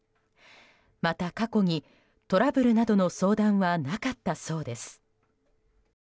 また、過去にトラブルなどの相談はなかったそうです。